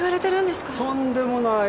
とんでもない。